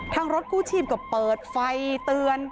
รถกู้ชีพก็เปิดไฟเตือน